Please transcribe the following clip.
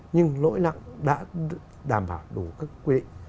nhưng lỗi lặng đã đảm bảo đủ các quy định